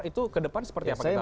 itu kedepan seperti apa kita lihat